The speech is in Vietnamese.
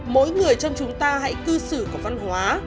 mỗi người trong chúng ta hãy cư xử có văn hóa